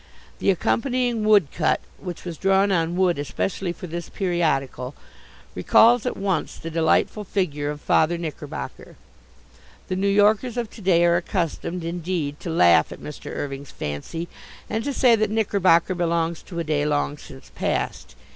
The accompanying woodcut which was drawn on wood especially for this periodical recalls at once the delightful figure of Father Knickerbocker. The New Yorkers of to day are accustomed, indeed, to laugh at Mr. Irving's fancy and to say that Knickerbocker belongs to a day long since past.